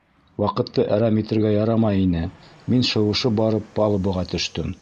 Ваҡытты әрәм итергә ярамай ине, мин, шыуышып барып, палубаға төштөм.